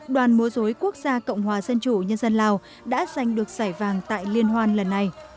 đoàn múa dối quốc gia cộng hòa dân chủ nhân dân lào đã giành được giải vàng tại liên hoan lần này